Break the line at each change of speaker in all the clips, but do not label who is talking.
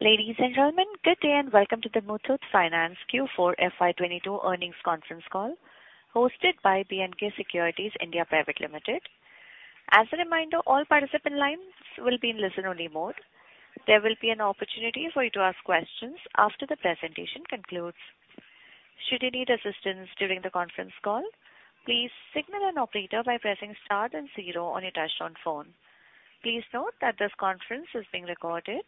Ladies and gentlemen, good day, and welcome to the Muthoot Finance Q4 FY 2022 earnings conference call hosted by B&K Securities India Private Limited. As a reminder, all participant lines will be in listen-only mode. There will be an opportunity for you to ask questions after the presentation concludes. Should you need assistance during the conference call, please signal an operator by pressing star and zero on your touchtone phone. Please note that this conference is being recorded.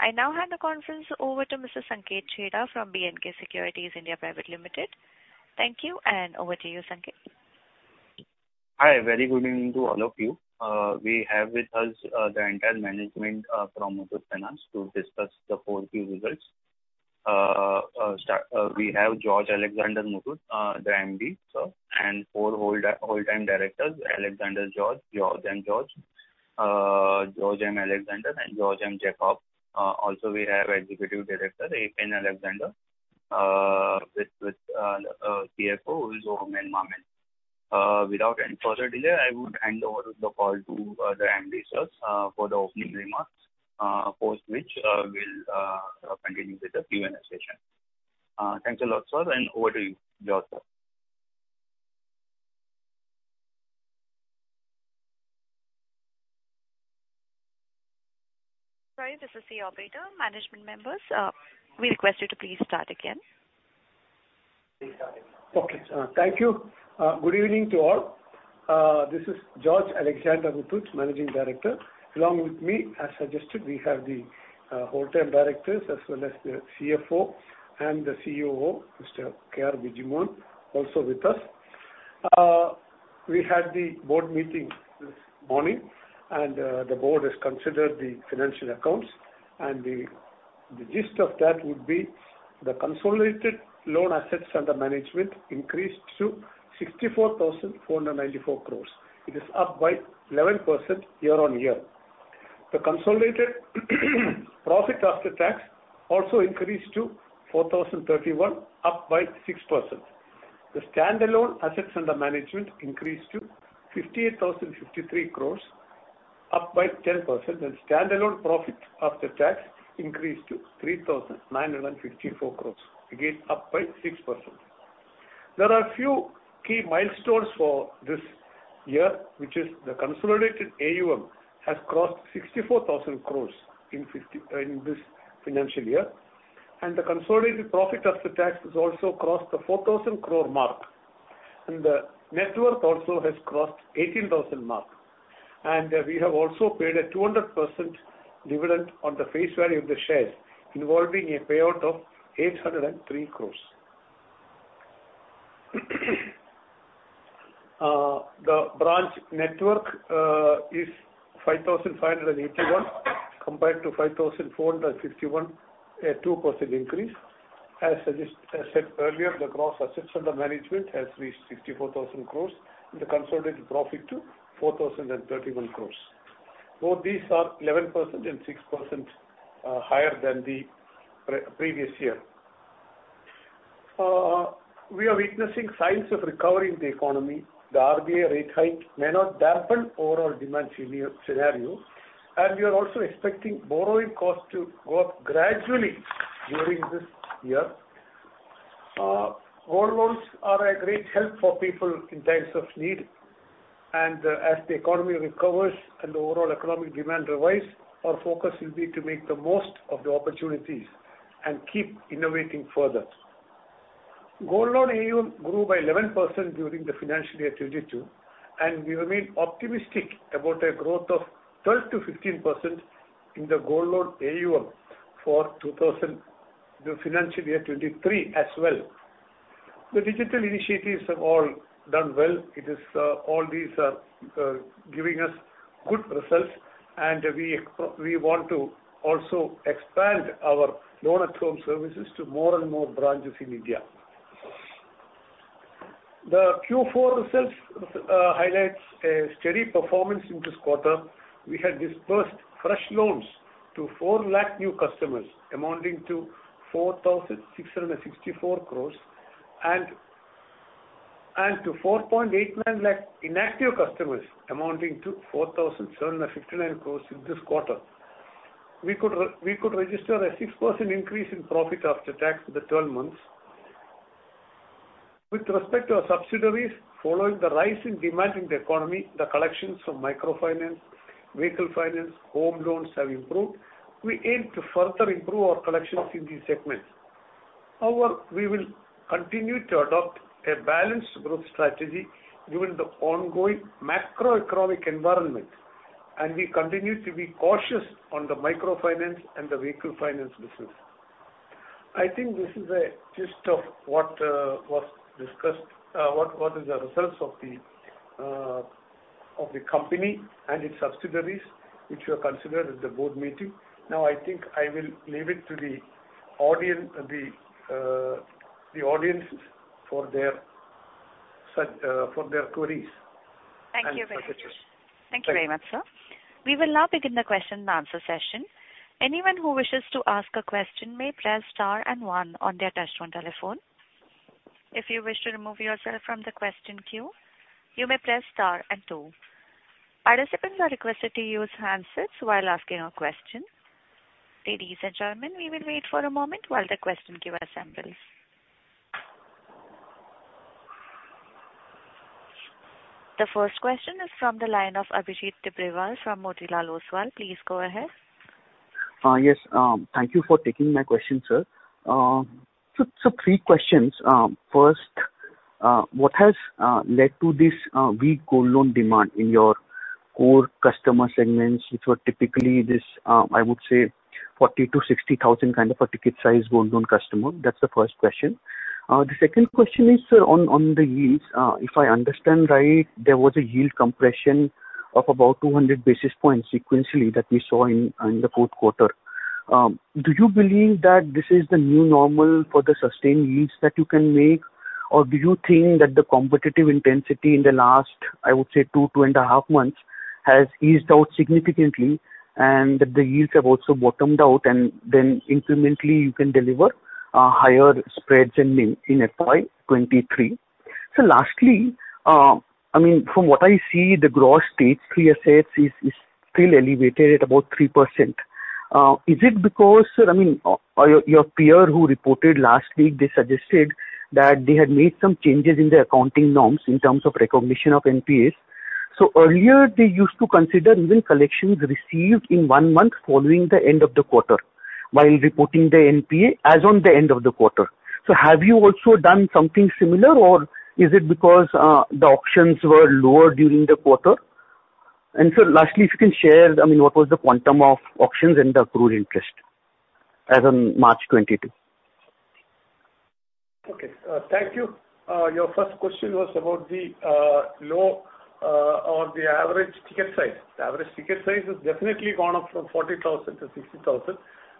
I now hand the conference over to Mr. Sanket Chheda from Edelweiss Securities India Private Limited. Thank you, and over to you, Sanket.
Hi, very good evening to all of you. We have with us the entire management from Muthoot Finance to discuss the full key results. We have George Alexander Muthoot, the MD, sir, and four whole-time directors, Alexander George M. and George M. Jacob. Also we have Executive Director Eapen Alexander Muthoot with CFO who is Oommen K. Mammen. Without any further delay, I would hand over the call to the MD, sir, for the opening remarks, post which, we'll continue with the Q&A session. Thanks a lot, sir, and over to you, George, sir.
Sorry, this is the operator. Management members, we request you to please start again.
Okay. Thank you. Good evening to all. This is George Alexander Muthoot, Managing Director. Along with me, as suggested, we have the whole-time directors as well as the CFO and the COO, Mr. K.R. Bijimon, also with us. We had the board meeting this morning and the board has considered the financial accounts and the gist of that would be the consolidated loan assets under management increased to 64,494 crore. It is up by 11% year-on-year. The consolidated profit after tax also increased to 4,031 crore, up by 6%. The standalone assets under management increased to 58,053 crore, up by 10%, and standalone profit after tax increased to 3,954 crore, again up by 6%. There are a few key milestones for this year, which is the consolidated AUM has crossed 64,000 crore in this financial year, and the consolidated profit after tax has also crossed the 4,000 crore mark, and the net worth also has crossed 18,000 crore mark. We have also paid a 200% dividend on the face value of the shares, involving a payout of 803 crore. The branch network is 5,581 compared to 5,451, a 2% increase. As said earlier, the gross assets under management has reached 64,000 crore and the consolidated profit to 4,031 crore. Both these are 11% and 6% higher than the previous year. We are witnessing signs of recovery in the economy. The RBI rate hike may not dampen overall demand scenario, and we are also expecting borrowing costs to go up gradually during this year. Gold loans are a great help for people in times of need, and as the economy recovers and the overall economic demand rises, our focus will be to make the most of the opportunities and keep innovating further. Gold loan AUM grew by 11% during the financial year 2022, and we remain optimistic about a growth of 12%-15% in the gold loan AUM for the financial year 2023 as well. The digital initiatives have all done well. It is all these are giving us good results, and we want to also expand our loan at home services to more and more branches in India. The Q4 results highlight a steady performance in this quarter. We had disbursed fresh loans to 4 lakh new customers amounting to 4,664 crores and to 4.89 lakh inactive customers amounting to 4,759 crores in this quarter. We could register a 6% increase in profit after tax for the 12 months. With respect to our subsidiaries, following the rise in demand in the economy, the collections from microfinance, vehicle finance, home loans have improved. We aim to further improve our collections in these segments. However, we will continue to adopt a balanced growth strategy given the ongoing macroeconomic environment, and we continue to be cautious on the microfinance and the vehicle finance business. I think this is a gist of what was discussed, what is the results of the company and its subsidiaries which were considered at the board meeting. Now, I think I will leave it to the audiences for their queries.
Thank you very much.
Suggestions.
Thank you very much, sir. We will now begin the question and answer session. Anyone who wishes to ask a question may press star and one on their touchtone telephone. If you wish to remove yourself from the question queue, you may press star and two. Our recipients are requested to use handsets while asking a question. Ladies and gentlemen, we will wait for a moment while the question queue assembles. The first question is from the line of Abhijit Tibrewal from Motilal Oswal. Please go ahead.
Yes, thank you for taking my question, sir. So three questions. First, what has led to this weak gold loan demand in your core customer segments, which were typically this, I would say 40 thousand-60 thousand kind of a ticket size gold loan customer? That's the first question. The second question is, sir, on the yields. If I understand right, there was a yield compression of about 200 basis points sequentially that we saw in the fourth quarter. Do you believe that this is the new normal for the sustained yields that you can make? Do you think that the competitive intensity in the last, I would say two and a half months has eased out significantly, and that the yields have also bottomed out, and then incrementally you can deliver higher spreads in FY 2023. Lastly, I mean, from what I see, the Gross Stage 3 assets is still elevated at about 3%. Is it because Sir, I mean, your peer who reported last week, they suggested that they had made some changes in their accounting norms in terms of recognition of NPAs. Earlier they used to consider even collections received in one month following the end of the quarter while reporting the NPA as on the end of the quarter. Have you also done something similar, or is it because the auctions were lower during the quarter? Sir, lastly, if you can share, I mean, what was the quantum of auctions and the accrued interest as on March 2022?
Okay. Thank you. Your first question was about the loan or the average ticket size. The average ticket size has definitely gone up from 40,000 to 60,000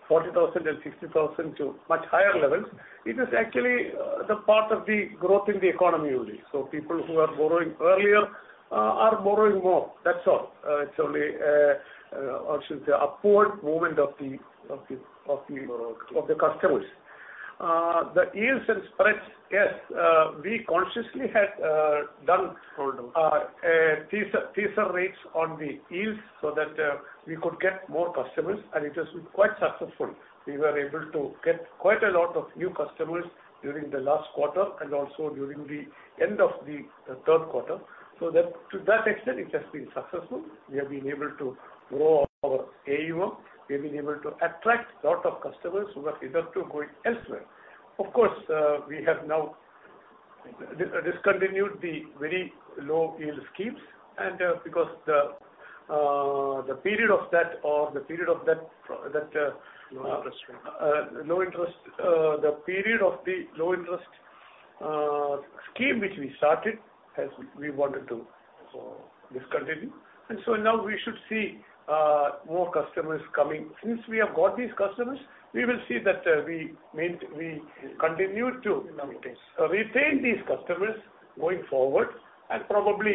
to much higher levels. It is actually the part of the growth in the economy only. People who are borrowing earlier are borrowing more. That's all. It's only I should say upward movement of the.
Borrowers.
Of the customers. The yields and spreads, yes, we consciously had done.
Hold on.
A teaser rates on the yields so that we could get more customers, and it has been quite successful. We were able to get quite a lot of new customers during the last quarter and also during the end of the third quarter. To that extent, it has been successful. We have been able to grow our AUM. We've been able to attract a lot of customers who were hesitant to go elsewhere. Of course, we have now discontinued the very low yield schemes and because the period of that or the period of that that.
Low interest rate.
The period of the low interest scheme which we started, we wanted to discontinue. Now we should see more customers coming. Since we have got these customers, we will see that we continue to-
Retain.
Retain these customers going forward and probably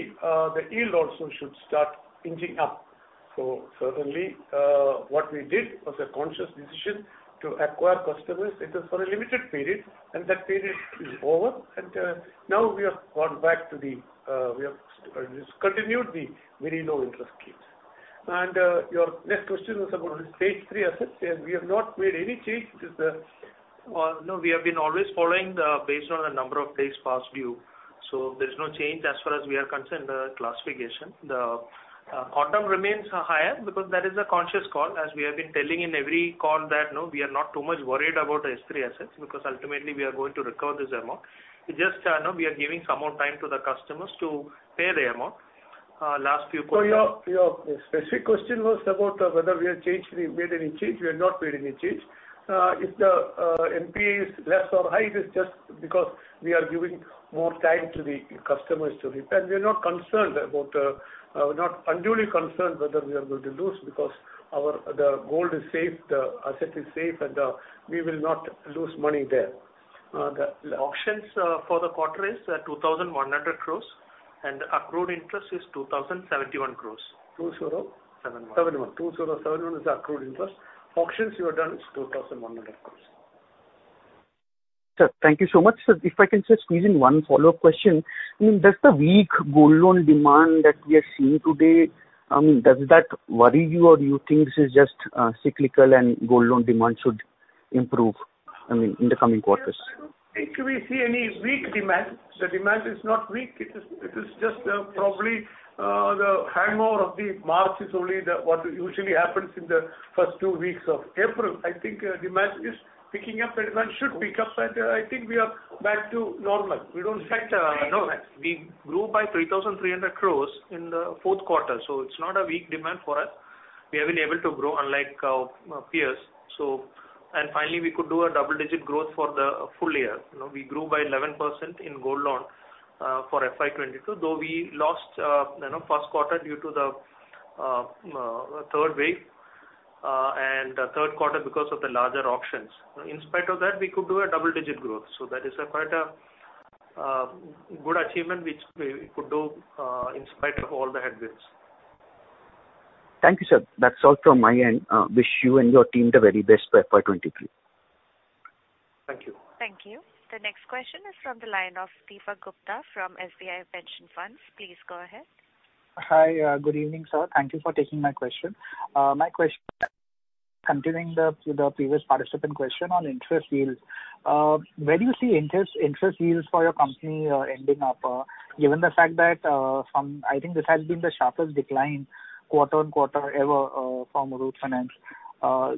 the yield also should start inching up. Certainly, what we did was a conscious decision to acquire customers. It is for a limited period, and that period is over. Now we have discontinued the very low interest schemes. Your next question was about stage three assets, and we have not made any change. It is the-
Well, no, we have been always following the based on the number of days past due. There's no change as far as we are concerned, classification. The quantum remains higher because that is a conscious call. As we have been telling in every call that, no, we are not too much worried about the S3 assets because ultimately we are going to recover this amount. It's just, now we are giving some more time to the customers to pay the amount. Last few quarters.
Your specific question was about whether we made any change. We have not made any change. If the NPA is less or high it is just because we are giving more time to the customers to repay. We are not unduly concerned whether we are going to lose because the gold is safe, the asset is safe, and we will not lose money there.
The auctions for the quarter is 2,100 crores and accrued interest is 2,071 crores.
20?
71.
71. 2071 is the accrued interest. Auctions we have done is 2,100 crores.
Sir, thank you so much. Sir, if I can just squeeze in one follow-up question. I mean, does the weak gold loan demand that we are seeing today, does that worry you, or do you think this is just, cyclical and gold loan demand should improve, I mean, in the coming quarters?
Yes. I don't think we see any weak demand. The demand is not weak. It is just probably the hangover of the March is only what usually happens in the first two weeks of April. I think demand is picking up and demand should pick up. I think we are back to normal. We don't factor.
No. We grew by 3,300 crore in the fourth quarter, so it's not a weak demand for us. We have been able to grow unlike our peers. Finally, we could do a double-digit growth for the full year. You know, we grew by 11% in gold loan for FY 2022, though we lost first quarter due to the third wave and third quarter because of the larger auctions. In spite of that, we could do a double-digit growth. That is quite a good achievement which we could do in spite of all the headwinds.
Thank you, sir. That's all from my end. Wish you and your team the very best for FY 23.
Thank you.
Thank you. The next question is from the line of Deepak Gupta from SBI Pension Funds. Please go ahead.
Hi. Good evening, sir. Thank you for taking my question. Continuing the previous participant question on interest yields. Where do you see interest yields for your company ending up, given the fact that I think this has been the sharpest decline quarter-over-quarter ever from Muthoot Finance.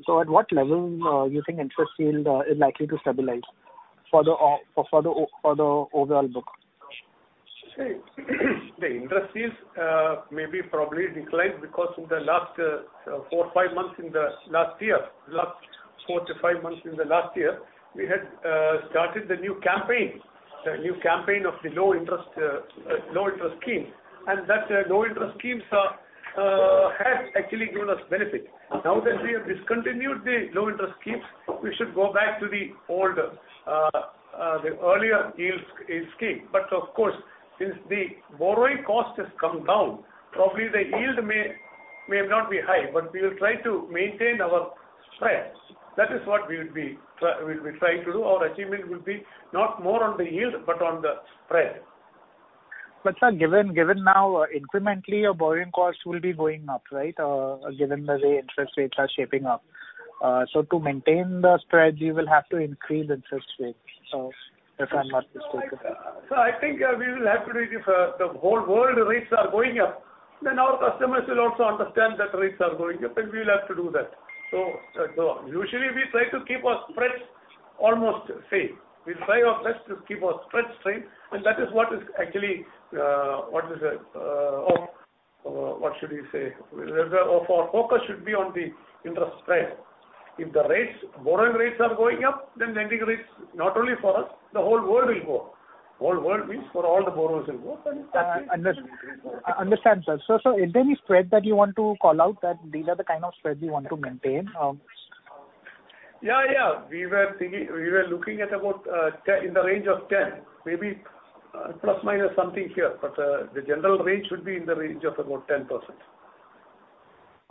So at what level you think interest yield is likely to stabilize for the overall book?
See, the interest yields maybe probably declined because in the last 4-5 months in the last year, we had started the new campaign of the low interest scheme, and that low interest schemes has actually given us benefit. Now that we have discontinued the low interest schemes, we should go back to the old, the earlier yield scheme. Of course, since the borrowing cost has come down, probably the yield may not be high, but we will try to maintain our spreads. That is what we'll be trying to do. Our achievement will be not more on the yield but on the spread.
Sir, given now, incrementally your borrowing costs will be going up, right? Given the way interest rates are shaping up. So to maintain the spread you will have to increase interest rates, if I'm not mistaken.
I think we will have to do this. The whole world rates are going up, then our customers will also understand that rates are going up and we will have to do that. Usually we try to keep our spreads almost same. We try our best to keep our spreads same, and that is what is actually what should we say? Whether our focus should be on the interest spread. If borrowing rates are going up, then lending rates, not only for us, the whole world will go. Whole world means for all the borrowers will go and that is
Understand, sir. Is there any spread that you want to call out that these are the kind of spreads you want to maintain?
Yeah. We were thinking, we were looking at about 10, in the range of 10, maybe, plus minus something here, but the general range should be in the range of about 10%.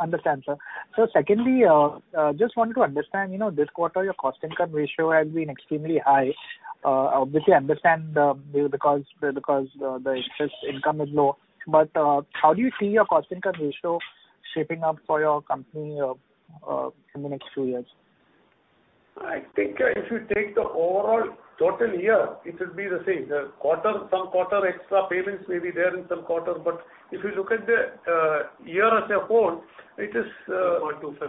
Understand, sir. Secondly, just wanted to understand, you know, this quarter your cost income ratio has been extremely high. Obviously understand, because the interest income is low, but how do you see your cost income ratio shaping up for your company in the next two years?
I think if you take the overall total year, it will be the same. The quarter, some quarter extra payments may be there in some quarter, but if you look at the year as a whole, it is.
0.25%.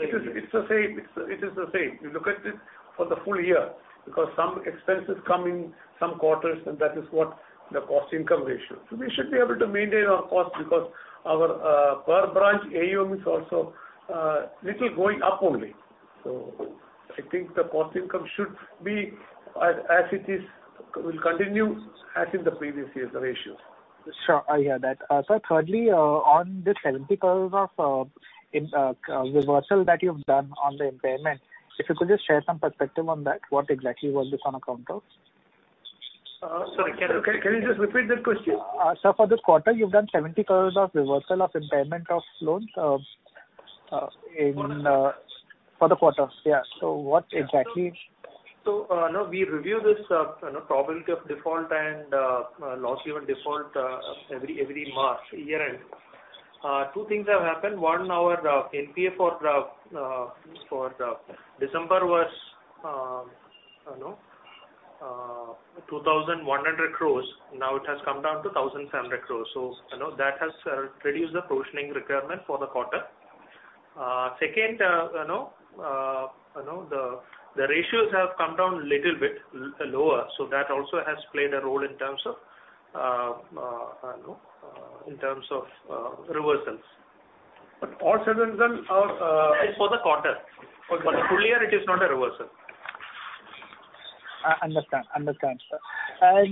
It is the same. You look at it for the full year because some expenses come in some quarters and that is what the cost income ratio. We should be able to maintain our cost because our per branch AUM is also little going up only. I think the cost income should be as it is, will continue as in the previous year's ratio.
Sure. I hear that. Sir, thirdly, on this 70 crore of interest reversal that you've done on the impairment, if you could just share some perspective on that. What exactly was this on account of?
Sorry. Can you just repeat that question?
Sir, for this quarter you've done 70 crores of reversal of impairment of loans.
For the-
For the quarter. Yeah. What exactly?
No, we review this, you know, probability of default and loss given default every March, year end. Two things have happened. One, our NPA for December was 2,100 crores. Now it has come down to 1,700 crores. You know, that has reduced the provisioning requirement for the quarter. Second, you know, the ratios have come down little bit lower, so that also has played a role in terms of reversals. But all of a sudden our
It's for the quarter.
For the quarter.
For the full year it is not a reversal. Understand, sir.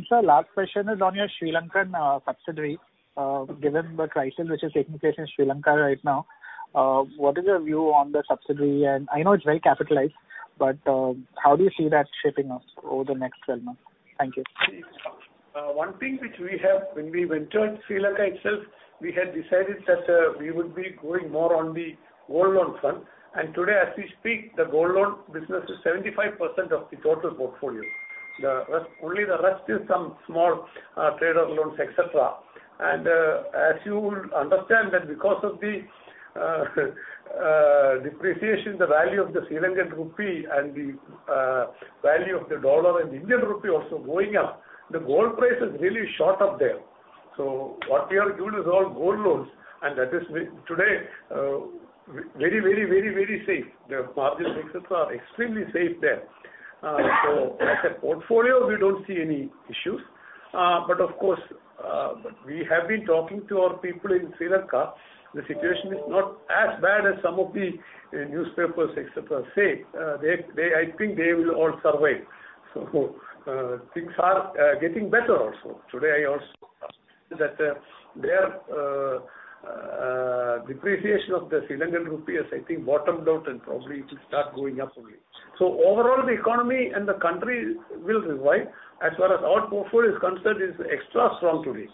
Sir, last question is on your Sri Lankan subsidiary. Given the crisis which is taking place in Sri Lanka right now, what is your view on the subsidiary? I know it's very capitalized, but how do you see that shaping up over the next 12 months? Thank you.
See, one thing which we have when we went to Sri Lanka itself, we had decided that, we would be going more on the gold loan front. Today as we speak, the gold loan business is 75% of the total portfolio. The rest, only the rest is some small, trader loans, et cetera. As you would understand that because of the depreciation, the value of the Sri Lankan rupee and the value of the dollar and Indian rupee also going up, the gold price has really shot up there. What we have given is all gold loans, and that is today, very safe. The margins et cetera are extremely safe there. As a portfolio, we don't see any issues. Of course, we have been talking to our people in Sri Lanka. The situation is not as bad as some of the newspapers et cetera say. I think they will all survive. Things are getting better also. Today, I also think that their depreciation of the Sri Lankan rupee has, I think, bottomed out and probably it will start going up only. Overall, the economy and the country will revive. As far as our portfolio is concerned, it's extra strong today.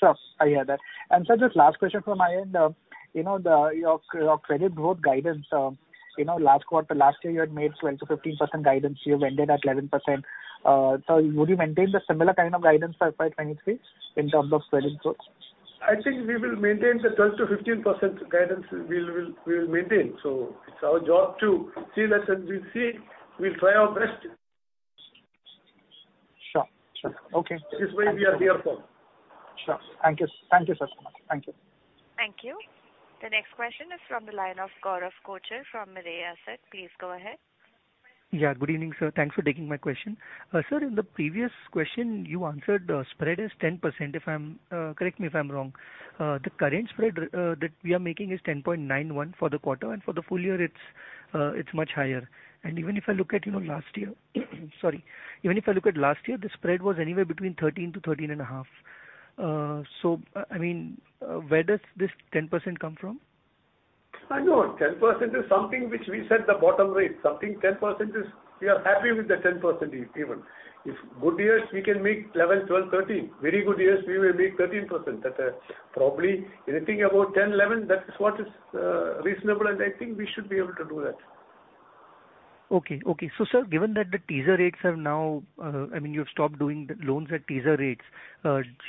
Sure. I hear that. Sir, just last question from my end. You know, your credit growth guidance, you know, last quarter, last year you had made 12%-15% guidance. You've ended at 11%. So would you maintain the similar kind of guidance for FY 2023 in terms of credit growth?
I think we will maintain the 12%-15% guidance we will maintain. It's our job to see that and we'll see. We'll try our best.
Sure. Okay.
This is why we are here for.
Sure. Thank you. Thank you, George. Thank you.
Thank you. The next question is from the line of Gaurav Kochar from Mirae Asset. Please go ahead.
Yeah, good evening, sir. Thanks for taking my question. Sir, in the previous question you answered the spread is 10% if I'm wrong, correct me. The current spread that we are making is 10.91% for the quarter and for the full year, it's much higher. Even if I look at last year, you know, the spread was anywhere between 13%-13.5%. So I mean, where does this 10% come from?
I know 10% is something which we set the bottom rate, something 10% is we are happy with the 10% even. If good years we can make 11, 12, 13. Very good years we will make 13%. That, probably anything about 10, 11, that is what is reasonable, and I think we should be able to do that.
Sir, given that the teaser rates are now, I mean, you've stopped doing the loans at teaser rates,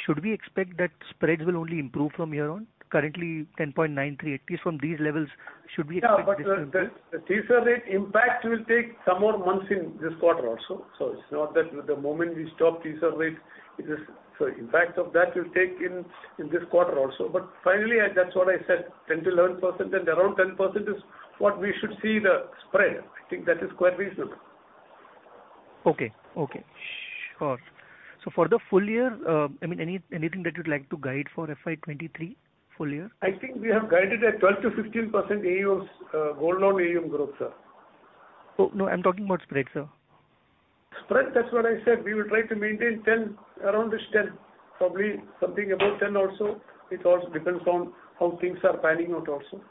should we expect that spreads will only improve from here on? Currently 10.93%, at least from these levels should we expect this improvement?
The teaser rate impact will take some more months in this quarter also. It's not that the moment we stop teaser rates it is. Impact of that will take in this quarter also. Finally, that's what I said, 10%-11% and around 10% is what we should see the spread. I think that is quite reasonable.
Okay. Sure. For the full year, I mean, anything that you'd like to guide for FY 2023 full year?
I think we have guided at 12%-15% AUMs, gold loan AUM growth, sir.
Oh, no, I'm talking about spread, sir.
Spread, that's what I said. We will try to maintain 10%, around this 10%. Probably something above 10% also. It also depends on how things are panning out also.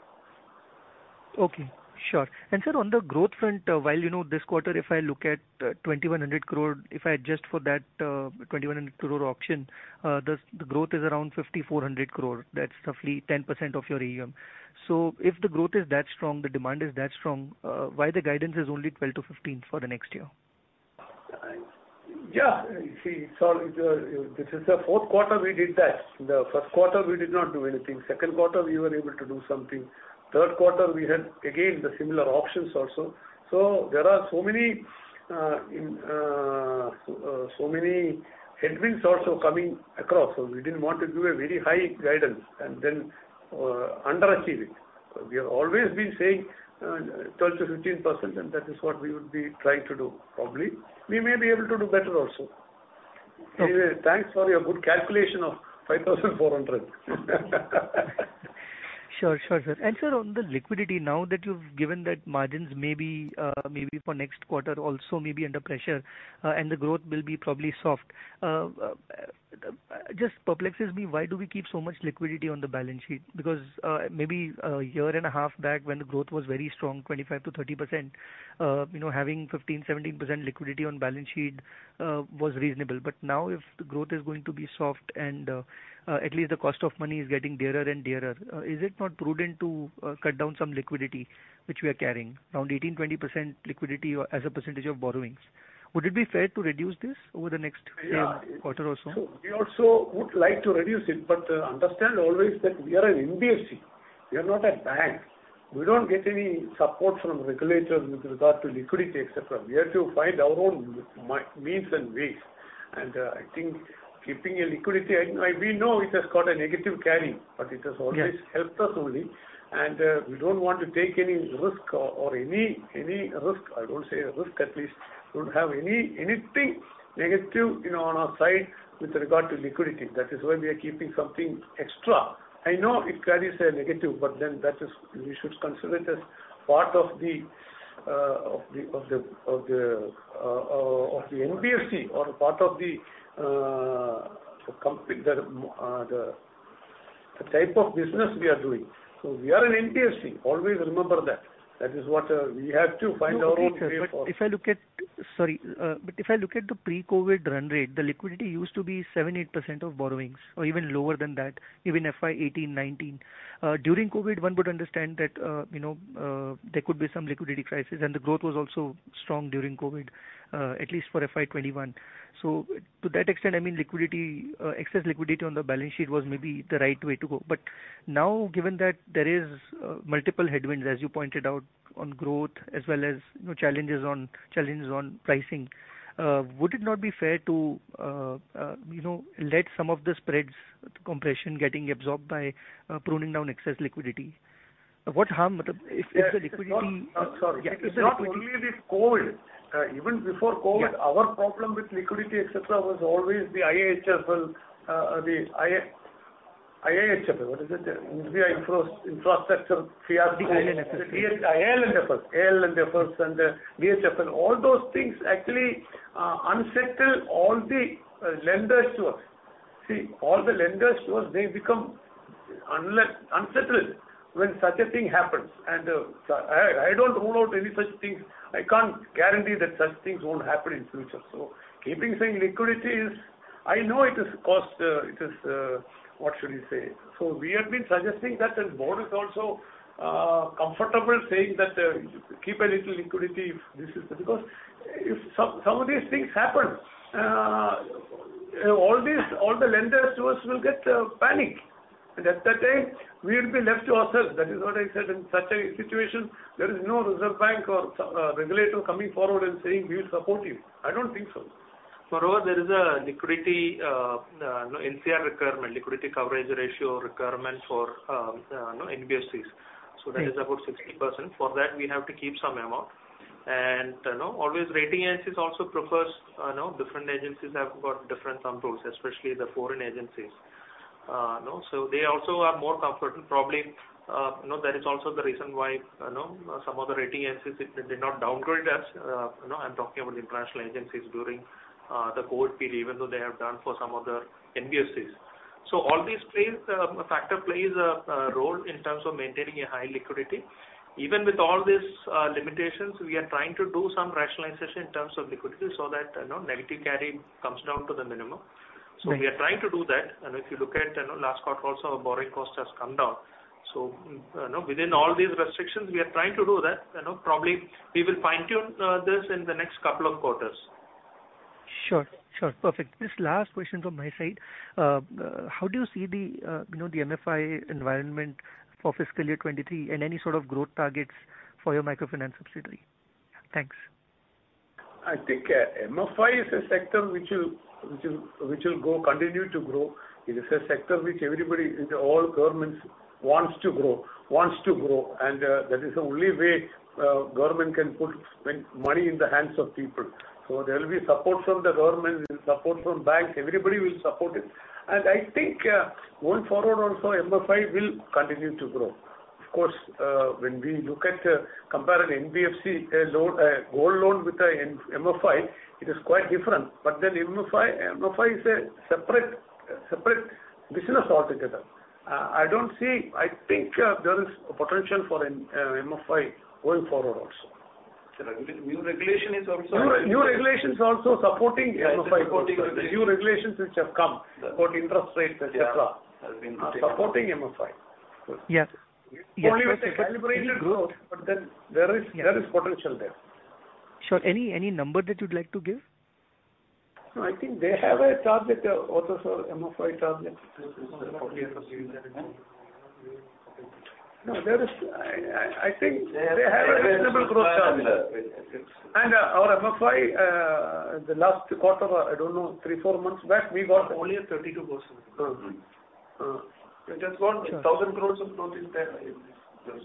Okay. Sure. Sir, on the growth front, while you know this quarter if I look at 2,100 crore, if I adjust for that 2,100 crore auction, the growth is around 5,400 crore. That's roughly 10% of your AUM. If the growth is that strong, the demand is that strong, why the guidance is only 12%-15% for the next year?
Yeah. See, this is the fourth quarter we did that. The first quarter we did not do anything. Second quarter we were able to do something. Third quarter we had again the similar auctions also. There are so many headwinds also coming across. We didn't want to do a very high guidance and then underachieve it. We have always been saying 12%-15%, and that is what we would be trying to do, probably. We may be able to do better also.
Okay.
Anyway, thanks for your good calculation of 5,400.
Sure, sir. Sir, on the liquidity, now that you've given that margins may be for next quarter also may be under pressure, and the growth will be probably soft. Just perplexes me why do we keep so much liquidity on the balance sheet? Because, maybe a year and a half back when the growth was very strong, 25%-30%, you know, having 15%, 17% liquidity on balance sheet, was reasonable. Now if the growth is going to be soft and, at least the cost of money is getting dearer and dearer, is it not prudent to cut down some liquidity which we are carrying around 18%, 20% liquidity or as a percentage of borrowings? Would it be fair to reduce this over the next quarter or so?
Yeah. We also would like to reduce it, but understand always that we are an NBFC, we are not a bank. We don't get any support from regulators with regard to liquidity, et cetera. We have to find our own means and ways. I think keeping a liquidity, we know it has got a negative carry, but it has always.
Yeah.
It helped us only. We don't want to take any risk. I don't see a risk at least. We don't have anything negative, you know, on our side with regard to liquidity. That is why we are keeping something extra. I know it carries a negative, but then that is, we should consider it as part of the NBFC or part of the type of business we are doing. We are an NBFC, always remember that. That is what we have to find our own way forward.
If I look at the pre-COVID run rate, the liquidity used to be 7%-8% of borrowings or even lower than that, even FY 2018, 2019. During COVID one would understand that, you know, there could be some liquidity crisis and the growth was also strong during COVID, at least for FY 2021. To that extent, I mean liquidity, excess liquidity on the balance sheet was maybe the right way to go. Now given that there is multiple headwinds as you pointed out on growth as well as, you know, challenges on pricing, would it not be fair to, you know, let some of the spreads compression getting absorbed by pruning down excess liquidity? What harm if the liquidity-
Yeah. Sorry.
Yeah.
It's not only the COVID. Even before COVID
Yeah.
Our problem with liquidity et cetera was always the IL&FS.
The IL&FS.
IL&FS and DHFL. All those things actually unsettle all the lenders to us. See, all the lenders to us, they become unsettled when such a thing happens. I don't rule out any such things. I can't guarantee that such things won't happen in future. Keeping liquidity is costly. I know it is costly. What should we say? We have been suggesting that, and board is also comfortable saying that, keep a little liquidity. This is because if some of these things happen, all the lenders to us will panic. At that time we will be left to ourselves. That is what I said. In such a situation, there is no Reserve Bank or regulator coming forward and saying, "We will support you." I don't think so.
Moreover, there is a liquidity, you know, LCR requirement, liquidity coverage ratio requirement for, you know, NBFCs.
Right.
That is about 60%. For that we have to keep some amount. You know, always rating agencies also prefer, you know, different agencies have got different rules of thumb, especially the foreign agencies. You know, they also are more comfortable probably, you know, that is also the reason why, you know, some of the rating agencies they did not downgrade us. You know, I'm talking about international agencies during the COVID period, even though they have done for some other NBFCs. All these factors play a role in terms of maintaining a high liquidity. Even with all these limitations, we are trying to do some rationalization in terms of liquidity so that, you know, negative carry comes down to the minimum.
Right.
We are trying to do that. If you look at, you know, last quarter also our borrowing cost has come down. You know, within all these restrictions, we are trying to do that. You know, probably we will fine tune this in the next couple of quarters.
Sure. Perfect. This last question from my side. How do you see the, you know, the MFI environment for fiscal year 2023 and any sort of growth targets for your microfinance subsidiary? Thanks.
I think MFI is a sector which will grow, continue to grow. It is a sector which everybody, all governments wants to grow. that is the only way government can spend money in the hands of people. there will be support from the government, there's support from banks, everybody will support it. I think going forward also MFI will continue to grow. Of course, when we compare an NBFC, a loan, a gold loan with an MFI, it is quite different. MFI is a separate business altogether. I think there is potential for an MFI going forward also.
Sir, new regulation is also.
New regulations also supporting MFI growth.
Yeah, it is supporting.
The new regulations which have come about interest rates, et cetera.
Yeah.
Supporting MFIs.
Yes.
Only with a calibrated growth, but then there is potential there.
Sure. Any number that you'd like to give?
No, I think they have a target also for MFI target. I think they have a reasonable growth target. Our MFI, the last quarter, I don't know, 3, 4 months back, we got
Only at 32%.
It has got INR 1,000 crore of growth in there. There's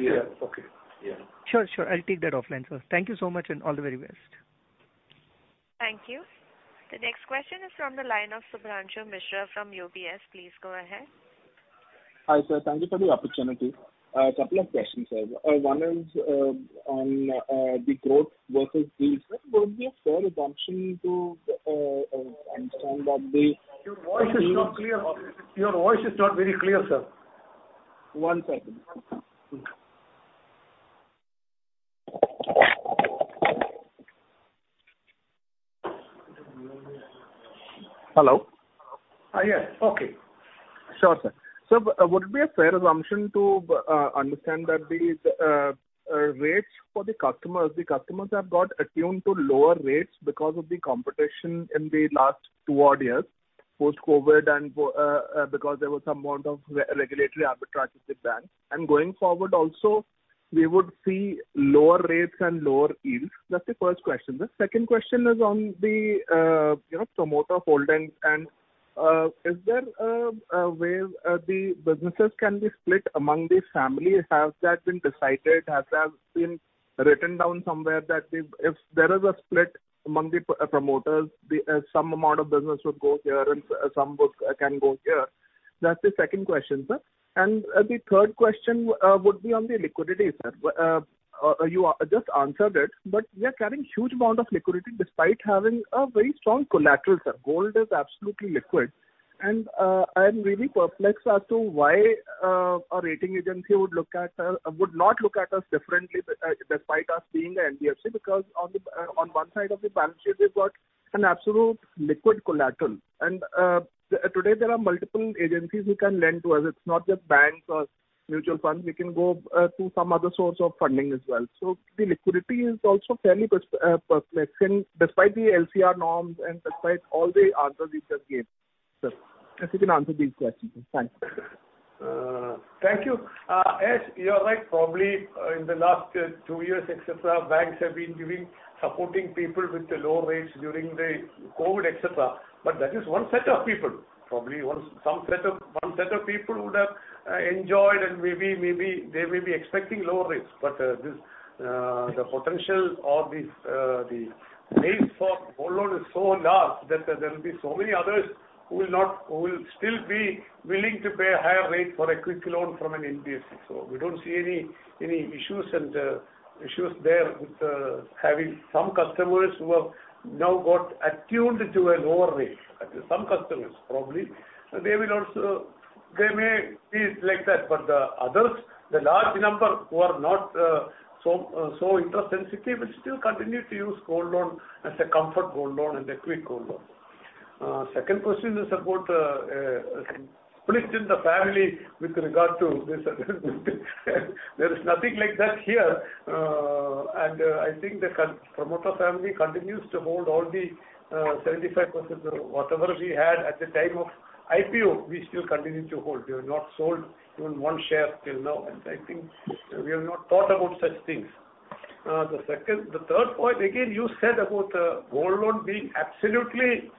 Yeah.
Okay.
Yeah.
Sure. I'll take that offline, sir. Thank you so much and all the very best.
Thank you. The next question is from the line of Subhransu Mishra from UBS. Please go ahead.
Hi, sir. Thank you for the opportunity. A couple of questions, sir. One is on the growth versus deals. [inaudible]
Your voice is not clear. Your voice is not very clear, sir.
One second. Hello?
Yes. Okay.
Sure, sir. Would it be a fair assumption to understand that the rates for the customers have got attuned to lower rates because of the competition in the last two odd years, post-COVID and because there was some amount of regulatory arbitrage with banks. Going forward also we would see lower rates and lower yields. That's the first question. The second question is on the promoter holdings. Is there a way the businesses can be split among the family? Has that been decided? Has that been written down somewhere that if there is a split among the promoters, some amount of business would go here and some can go here. That's the second question, sir. The third question would be on the liquidity, sir. You just answered it, but we are carrying huge amount of liquidity despite having a very strong collateral, sir. Gold is absolutely liquid. I'm really perplexed as to why a rating agency would not look at us differently despite us being a NBFC, because on one side of the balance sheet we've got an absolute liquid collateral. Today there are multiple agencies who can lend to us. It's not just banks or mutual funds. We can go to some other source of funding as well. So the liquidity is also fairly perplexing despite the LCR norms and despite all the answers you just gave, sir. If you can answer these questions. Thanks.
Thank you. Yes, you are right. Probably, in the last two years et cetera, banks have been giving, supporting people with the low rates during the COVID et cetera. That is one set of people. Probably one set of people would have enjoyed and maybe they may be expecting lower rates. This, the potential or the rates for gold loan is so large that there will be so many others who will still be willing to pay a higher rate for a quick loan from an NBFC. We don't see any issues there with having some customers who have now got attuned to a lower rate. Some customers probably. They may be like that, but the others, the large number who are not so interest sensitive will still continue to use gold loan as a comfort gold loan and a quick gold loan. Second question is about split in the family with regard to this. There is nothing like that here. I think the promoter family continues to hold all the 75%. Whatever we had at the time of IPO, we still continue to hold. We have not sold even one share till now, and I think we have not thought about such things. The third point, again, you said about gold loan being absolutely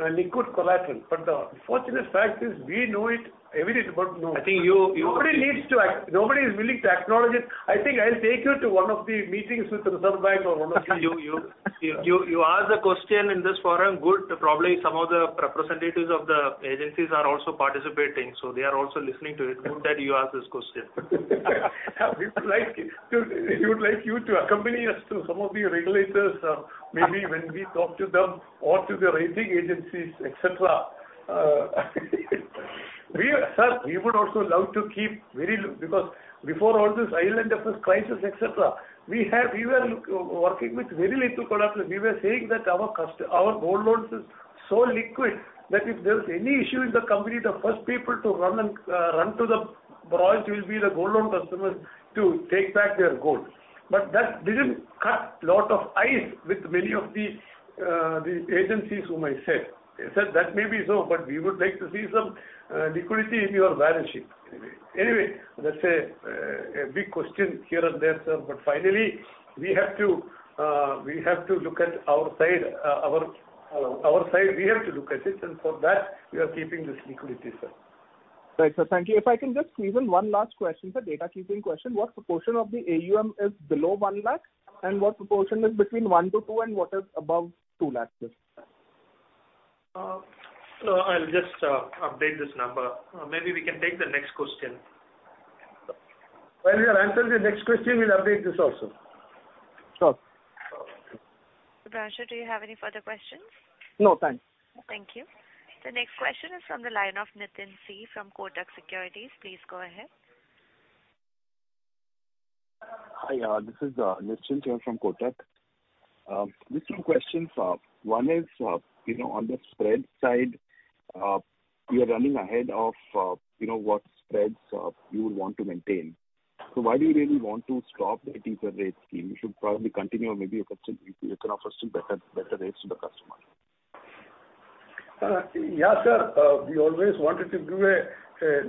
a liquid collateral. But the unfortunate fact is we know it's evident, but no.
I think you.
Nobody is willing to acknowledge it. I think I'll take you to one of the meetings with Reserve Bank or one of the
You ask the question in this forum, good. Probably some of the representatives of the agencies are also participating, so they are also listening to it. Good that you ask this question.
We would like you to accompany us to some of the regulators, maybe when we talk to them or to the rating agencies, et cetera. Sir, we would also love to keep very little because before all this IL&FS crisis, et cetera, we were working with very little collateral. We were saying that our gold loans is so liquid that if there is any issue in the company, the first people to run to the branch will be the gold loan customers to take back their gold. But that didn't cut a lot of ice with many of the agencies to whom I spoke. They said, "That may be so, but we would like to see some liquidity in your balance sheet." Anyway, let's say a big question here and there, sir. Finally, we have to look at our side, and for that, we are keeping this liquidity, sir.
Right, sir. Thank you. If I can just squeeze in one last question, sir. Data keeping question. What proportion of the AUM is below 1 lakh, and what proportion is between 1-2, and what is above 2 lakhs, sir?
I'll just update this number. Maybe we can take the next question. While you are answering the next question, we'll update this also.
Sure.
Subhransu, do you have any further questions?
No, thanks.
Thank you. The next question is from the line of Nischint Chawathe from Kotak Securities. Please go ahead.
Hi, this is Nischint Chawathe from Kotak. Just two questions. One is, you know, on the spread side, you are running ahead of, you know, what spreads you would want to maintain. Why do you really want to stop the teaser rate scheme? You should probably continue, or maybe you can offer some better rates to the customer.
Yeah, sir. We always wanted to give a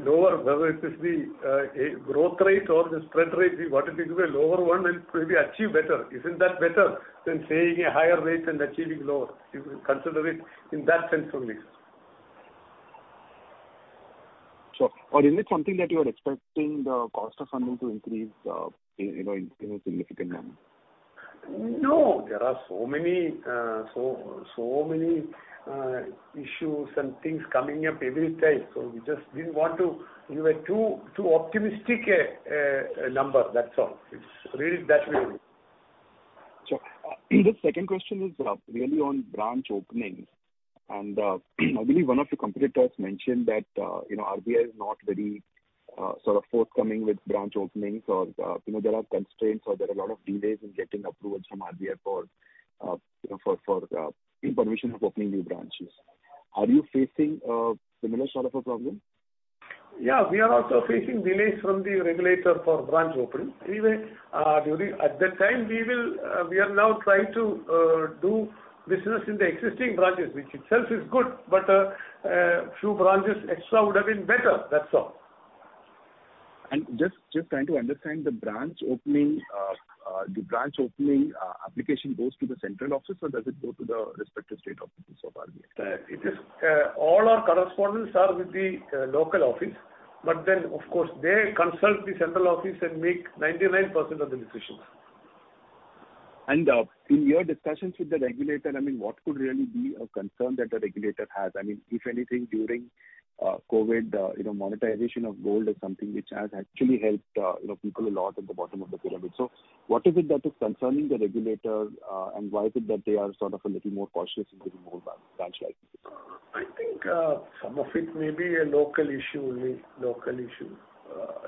lower, whether it is a growth rate or the spread rate, we wanted to give a lower one and maybe achieve better. Isn't that better than saying a higher rate and achieving lower? If you consider it in that sense only.
Sure. Is it something that you are expecting the cost of funding to increase, you know, in a significant manner?
No. There are so many issues and things coming up every time. We just didn't want to give too optimistic a number. That's all. It's really that way only.
Sure. The second question is really on branch openings. I believe one of your competitors mentioned that you know, RBI is not very sort of forthcoming with branch openings or you know, there are constraints or there are a lot of delays in getting approvals from RBI for you know, for the permission of opening new branches. Are you facing a similar sort of a problem?
Yeah. We are also facing delays from the regulator for branch opening. Anyway, at that time, we are now trying to do business in the existing branches, which itself is good, but a few branches extra would have been better. That's all.
Just trying to understand the branch opening application goes to the central office or does it go to the respective state offices of RBI?
It is all our correspondents are with the local office, but then of course, they consult the central office and make 99% of the decisions.
In your discussions with the regulator, I mean, what could really be a concern that the regulator has? I mean, if anything, during COVID, you know, monetization of gold is something which has actually helped, you know, people a lot at the bottom of the pyramid. What is it that is concerning the regulator, and why is it that they are sort of a little more cautious in giving more branch licenses?
I think some of it may be a local issue only. Local issue.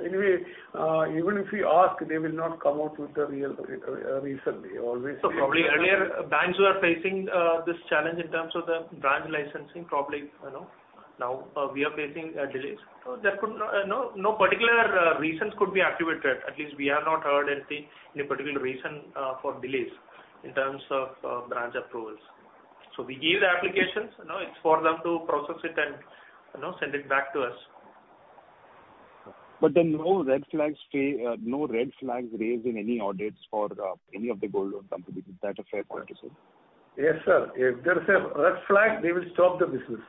Anyway, even if we ask, they will not come out with the real reason. They always-
Probably earlier banks were facing this challenge in terms of the branch licensing, probably, you know. Now, we are facing delays. There could no particular reasons could be attributed. At least we have not heard anything, any particular reason for delays in terms of branch approvals. We give the applications, you know. It's for them to process it and, you know, send it back to us.
No red flags raised in any audits for any of the gold loan companies. Is that a fair point to say?
Yes, sir. If there is a red flag, they will stop the business.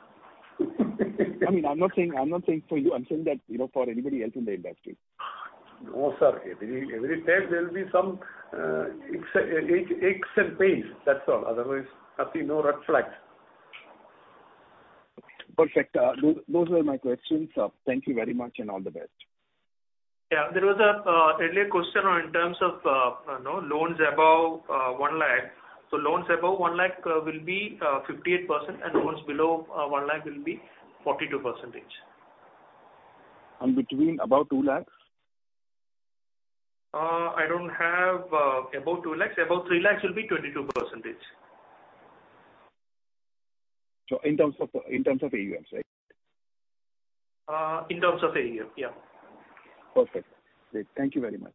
I mean, I'm not saying for you. I'm saying that, you know, for anybody else in the industry.
No, sir. Every time there will be some aches and pains. That's all. Otherwise, I see no red flags.
Perfect. Those were my questions. Thank you very much and all the best.
Yeah. There was an earlier question on, in terms of, you know, loans above IND 1 lakh. Loans above IND 1 lakh will be 58% and loans below IND 1 lakh will be 42%.
Between above 2 lakhs?
I don't have above 2 lakhs. Above 3 lakhs will be 22%.
In terms of AUMs, right?
In terms of AUM, yeah.
Perfect. Great. Thank you very much.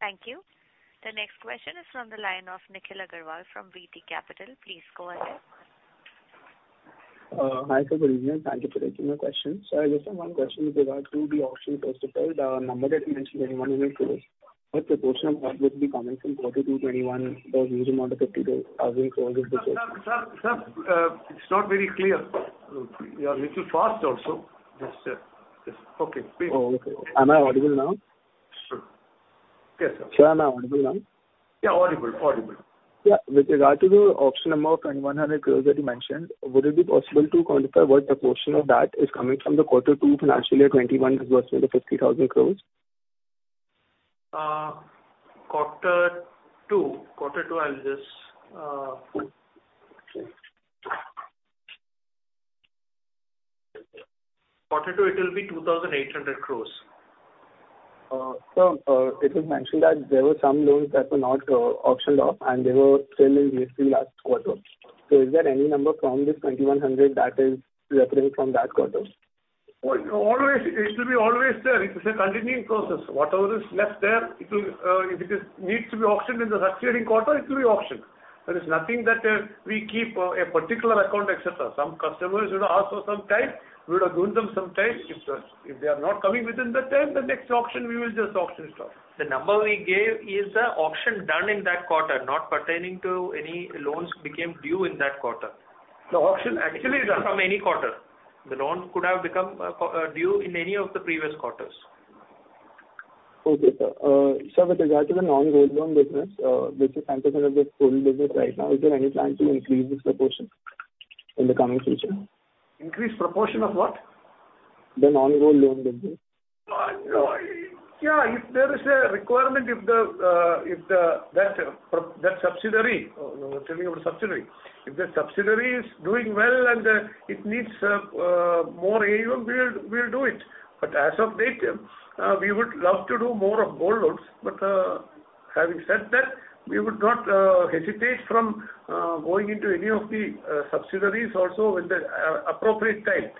Thank you. The next question is from the line of Nikhil Agrawal from VT Capital. Please go ahead.
Hi, sir. Good evening. Thank you for taking my question. I just have one question with regard to the auction first of all, the number that you mentioned, 2,100 crores. What proportion of that would be coming from quarter two 2021 or [inaudible]
Sir, it's not very clear. You are little fast also. Just okay, please.
Oh, okay. Am I audible now?
Sure. Yes, sir.
Sir, am I audible now?
Yeah, audible.
Yeah, with regard to the auction amount of 2,100 crore that you mentioned, would it be possible to quantify what the portion of that is coming from quarter 2 FY 2021 versus the INR 50,000 crore?
Quarter two it will be 2,800 crores.
Sir, it was mentioned that there were some loans that were not auctioned off, and they were still in the last quarter. Is there any number from this 2,100 that is referring from that quarter?
Well, always, it should be always there. It is a continuing process. Whatever is left there, it will, if it is needs to be auctioned in the succeeding quarter, it will be auctioned. There is nothing that, we keep, a particular account et cetera. Some customers would ask for some time. We would have given them some time. If, if they are not coming within that time, the next auction we will just auction it off.
The number we gave is the auction done in that quarter, not pertaining to any loans became due in that quarter.
The auction actually done.
It could be from any quarter. The loan could have become due in any of the previous quarters.
Okay, sir. Sir, with regard to the non-gold loan business, this is 50% of the total business right now. Is there any plan to increase this proportion in the coming future?
Increase proportion of what?
The non-gold loan business.
No. Yeah, if there is a requirement, if the subsidiary you're telling about. If the subsidiary is doing well and it needs more AUM, we'll do it. As of date, we would love to do more of gold loans. Having said that, we would not hesitate from going into any of the subsidiaries also with the appropriate time.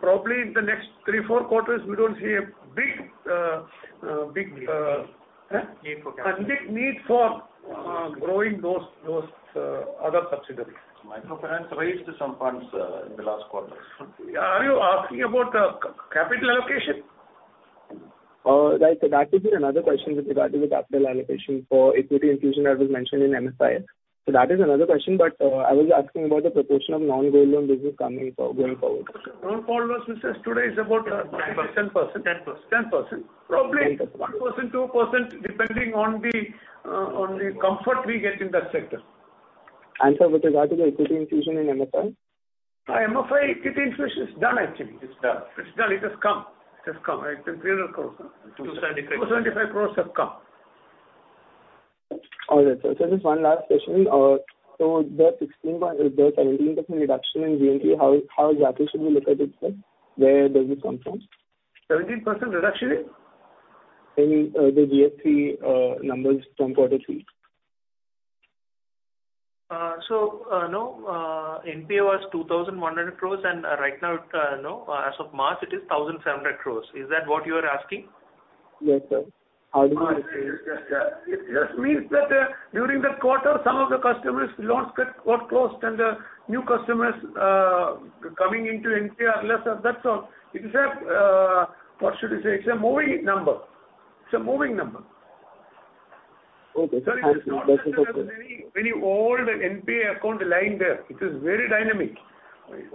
Probably in the next three, four quarters, we don't see a big
Need for capital.
Big need for growing those other subsidiaries.
Microfinance raised some funds in the last quarter.
Are you asking about the capital allocation?
That is another question with regard to the capital allocation for equity infusion that was mentioned in MFI. That is another question, but I was asking about the proportion of non-gold loan business going forward.
Non-gold loans business today is about.
10%.
-10%.
10%.
10%. Probably 1%, 2%, depending on the comfort we get in that sector.
Sir, with regard to the equity infusion in MFI?
MFI equity infusion is done actually.
It's done.
It's done. It has come. It's INR 300 crore.
275.
275 crores have come.
All right, sir. Sir, just one last question. The 17% reduction in GN3, how exactly should we look at it, sir? Where does it come from?
17% reduction in?
The GNPA numbers from quarter three.
No, NPA was 2,100 crore and right now, you know, as of March, it is 1,700 crore. Is that what you are asking?
Yes, sir.
It just means that, during that quarter, some of the customers' loans got closed and the new customers coming into NPA are lesser. That's all. It is, what should I say, a moving number.
Okay. Thank you. That's okay.
Sir, it is not that there's any old NPA account lying there. It is very dynamic.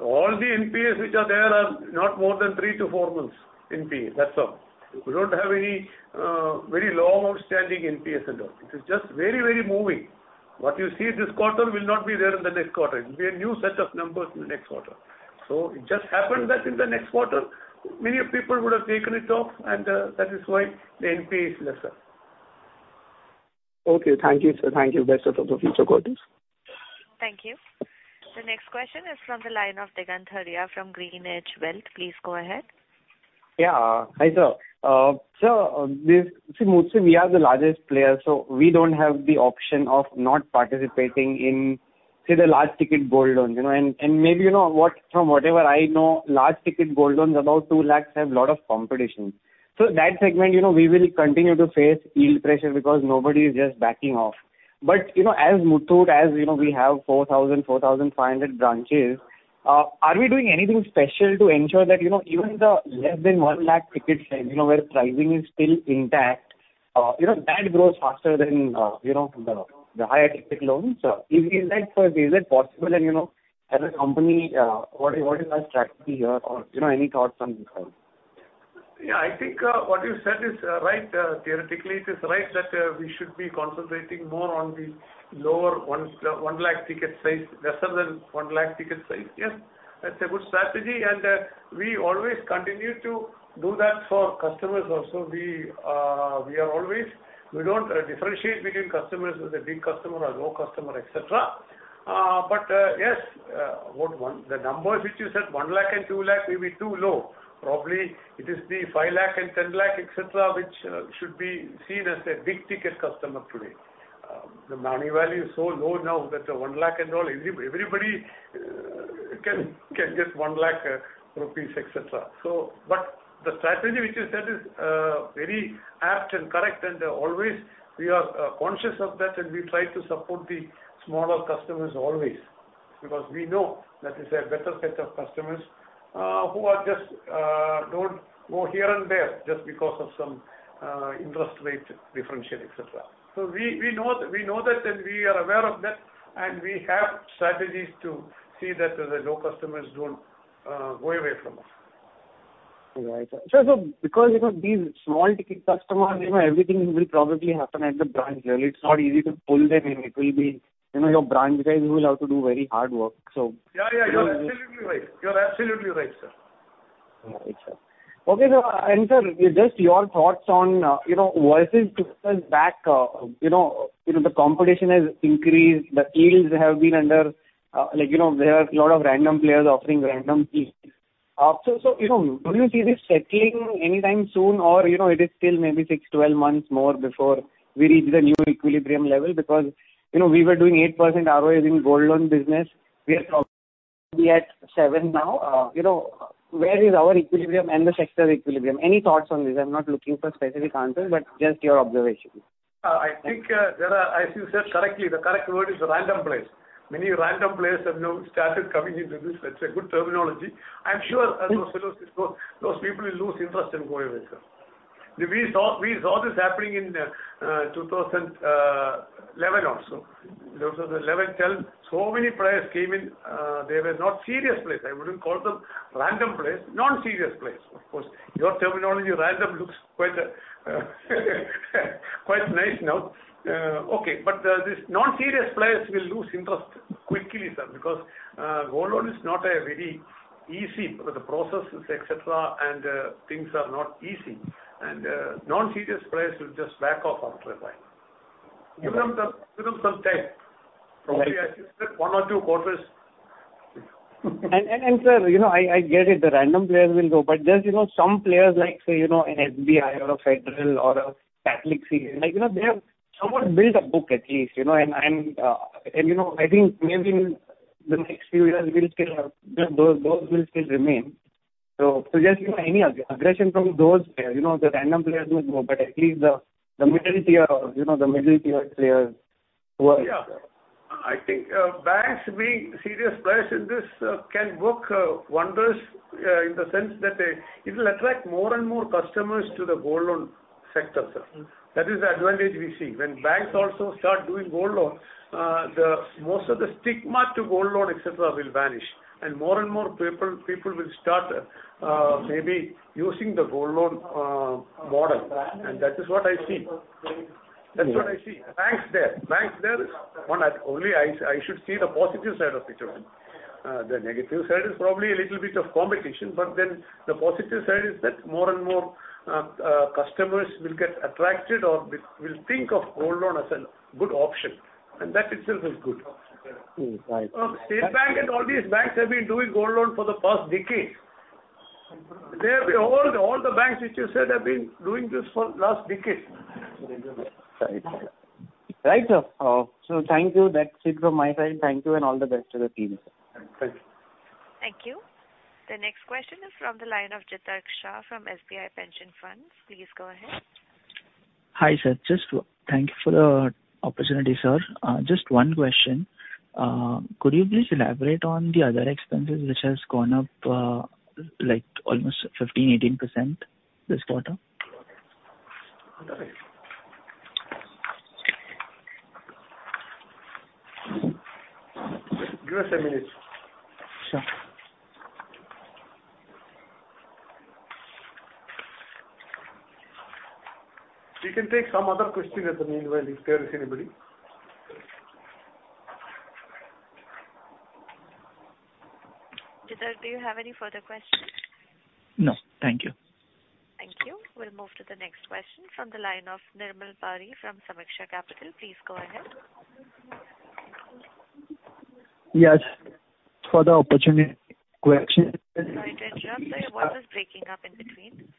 All the NPAs which are there are not more than 3-4 months NPA. That's all. We don't have any very long outstanding NPAs at all. It is just very moving. What you see this quarter will not be there in the next quarter. It will be a new set of numbers in the next quarter. It just happened that in the next quarter, many people would have taken it off, and that is why the NPA is lesser.
Okay. Thank you, sir. Thank you. Best of luck for future quarters.
Thank you. The next question is from the line of Digant Haria from GreenEdge Wealth. Please go ahead.
Yeah. Hi, sir. Sir, see, Muthoot, we are the largest player, so we don't have the option of not participating in, say, the large ticket gold loans, you know. Maybe you know what, from whatever I know, large ticket gold loans above 2 lakh have a lot of competition. That segment, you know, we will continue to face yield pressure because nobody is just backing off. As Muthoot, as you know, we have 4,500 branches. Are we doing anything special to ensure that, you know, even the less than 1 lakh ticket size, you know, where pricing is still intact, that grows faster than, you know, the higher ticket loans? Is that possible? You know, as a company, what is our strategy here or, you know, any thoughts on this front?
Yeah, I think what you said is right. Theoretically, it is right that we should be concentrating more on the lower 1 lakh ticket size less than 1 lakh ticket size. Yes, that's a good strategy, and we always continue to do that for customers also. We are always. We don't differentiate between customers, whether big customer or low customer, et cetera. Yes, the number which you said, 1 lakh and 2 lakh may be too low. Probably it is the 5 lakh and 10 lakh, et cetera, which should be seen as a big ticket customer today. The money value is so low now that 1 lakh and all, everybody can get 1 lakh rupees, et cetera. The strategy which you said is very apt and correct, and always we are conscious of that and we try to support the smaller customers always because we know that is a better set of customers who just don't go here and there just because of some interest rate differential, et cetera. We know that and we are aware of that, and we have strategies to see that the loyal customers don't go away from us.
Right. Because, you know, these small ticket customers, you know, everything will probably happen at the branch level. It's not easy to pull them in. It will be, you know, your branch guys will have to do very hard work, so.
Yeah, you're absolutely right, sir.
All right, sir. Okay, so, sir, just your thoughts on, you know, versus back, you know, the competition has increased. The yields have been under, like, you know, there are a lot of random players offering random fees. So, you know, do you see this settling anytime soon or, you know, it is still maybe 6-12 months more before we reach the new equilibrium level? Because, you know, we were doing 8% ROA in gold loan business. We are probably at 7% now. You know, where is our equilibrium and the sector equilibrium? Any thoughts on this? I'm not looking for specific answers, but just your observation.
I think there are, as you said correctly, the correct word is random players. Many random players have now started coming into this. That's a good terminology. I'm sure those people will lose interest and go away, sir. We saw this happening in 2011 also. 2011, 2012, so many players came in. They were not serious players. I wouldn't call them random players, non-serious players. Of course, your terminology random looks quite nice now. Okay, but these non-serious players will lose interest quickly, sir, because gold loan is not a very easy, the processes, et cetera, and things are not easy. Non-serious players will just back off after a while. Give them some time. Probably I think that one or two quarters.
sir, you know, I get it. The random players will go. There's, you know, some players like, say, you know, an SBI or a Federal or a CSB, like, you know, they have somewhat built a book at least, you know. You know, I think maybe in the next few years we'll still have those. Those will still remain. Just, you know, any aggression from those players. You know, the random players will go, but at least the middle tier or, you know, the middle tier players who are.
Yeah. I think banks being serious players in this can work wonders in the sense that it will attract more and more customers to the gold loan sector, sir. That is the advantage we see. When banks also start doing gold loan, the most of the stigma to gold loan, et cetera, will vanish. More and more people will start maybe using the gold loan model. That is what I see. Banks there is one only I should see the positive side of it, of course. The negative side is probably a little bit of competition, but then the positive side is that more and more customers will get attracted or will think of gold loan as a good option, and that itself is good.
Mm-hmm. Right.
State Bank and all these banks have been doing gold loan for the past decade. They, all the banks which you said have been doing this for last decade.
Right. Right, sir. Thank you. That's it from my side. Thank you and all the best to the team, sir.
Thank you.
Thank you. The next question is from the line of Jitark Shah from SBI Pension Funds. Please go ahead.
Hi, sir. Just thank you for the opportunity, sir. Just one question. Could you please elaborate on the other expenses which has gone up, like almost 15%-18% this quarter?
Give us a minute.
Sure.
You can take some other question in the meanwhile if there is anybody.
Jitark, do you have any further questions?
No. Thank you.
Thank you. We'll move to the next question from the line of Nirmal Bari from Sameeksha Capital. Please go ahead.
Yes. For the opportunity. Question.
Sorry to interrupt, sir. Your voice is breaking up in between.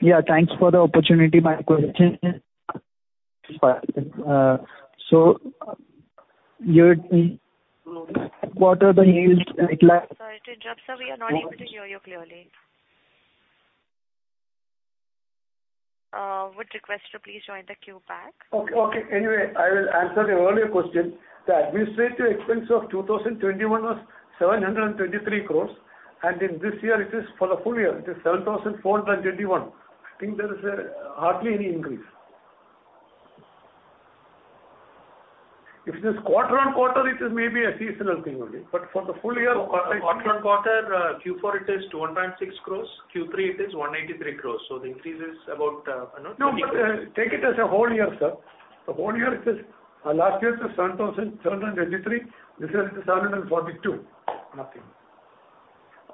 Yeah, thanks for the opportunity. [inaudible]
Sorry to interrupt, sir. We are not able to hear you clearly. Would request to please join the queue back.
Anyway, I will answer the earlier question. The administrative expense of 2021 was 723 crores, and in this year it is for the full year, it is 7,421 crores. I think there is hardly any increase. If it is quarter-over-quarter, it is maybe a seasonal thing only. For the full year.
Quarter-on-quarter, Q4, it is 206 crores. Q3, it is 183 crores, so the increase is about, you know, 20-
No, but, take it as a whole year, sir. The whole year it is. Last year it was 7,723. This year it is 742. Nothing.